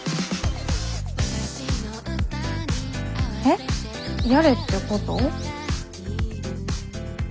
えっやれってこと？